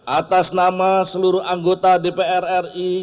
atas nama seluruh anggota dpr ri